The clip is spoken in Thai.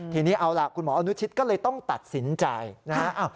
ทีนี้เอาล่ะคุณหมออนุชิตก็เลยต้องตัดสินใจนะฮะ